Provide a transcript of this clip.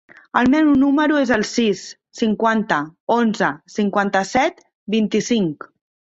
El meu número es el sis, cinquanta, onze, cinquanta-set, vint-i-cinc.